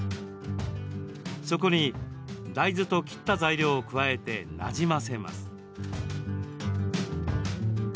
そこに大豆と切った材料を加えてなじませます。